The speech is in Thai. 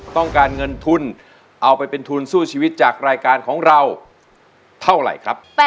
ต้องการเงินทุนเอาไปเป็นทุนสู้ชีวิตจากรายการของเราเท่าไหร่ครับ